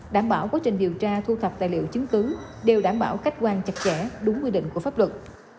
đảm bảo quá trình điều tra thu thập tài liệu chứng cứ đều đảm bảo khách quan chặt chẽ đúng quy định của pháp luật